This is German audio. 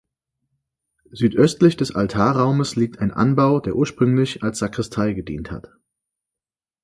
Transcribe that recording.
Südöstlich des Altarraumes liegt ein Anbau der ursprünglich als Sakristei gedient hat.